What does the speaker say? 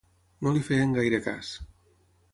No li feien gaire cas.